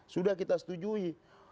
sudah kita setujui